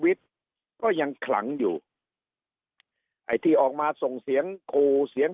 ก็ยังขลังอยู่ไอ้ที่ออกมาส่งเสียงขู่เสียง